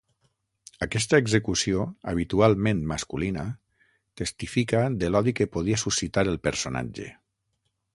Aquesta execució habitualment masculina, testifica de l'odi que podia suscitar el personatge.